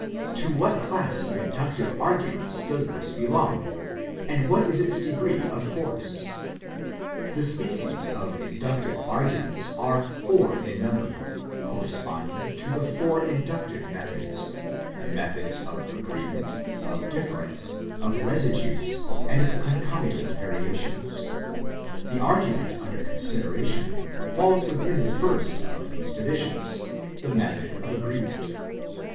To what class of inductive arguments does this belong ? and what is its degree of force ? The species of inductive arguments are four in number, corresponding to the four Inductive Methods ; the Methods of Agreement, of Difference, of Eesidues, and of Concomitant Variations. The argument under consideration falls within the first of these divisions, the Method of Agreement.